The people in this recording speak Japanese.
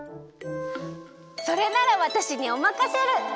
それならわたしにおまかシェル！